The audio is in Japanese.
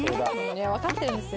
わかってるんですよ。